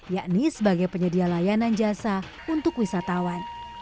yakni sebagai penyedia layanan jasa untuk wisatawan